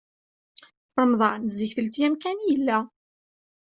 Ṛemḍan zik telt yam kan i yella.